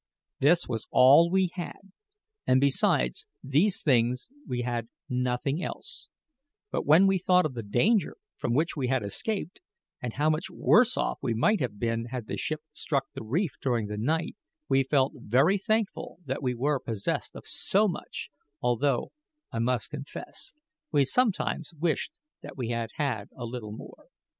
This was all we had, and besides these things we had nothing else; but when we thought of the danger from which we had escaped, and how much worse off we might have been had the ship struck on the reef during the night, we felt very thankful that we were possessed of so much, although, I must confess, we sometimes wished that we had had a little more.